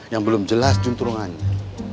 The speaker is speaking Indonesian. yang belum jelas junturungannya